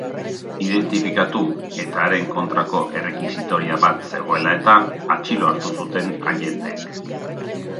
Identifikatu, eta haren kontrako errekisitoria bat zegoela-eta, atxilo hartu zuten agenteek.